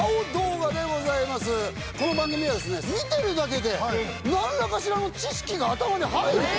この番組はですね見てるだけで何らかしらの知識が頭に入ると。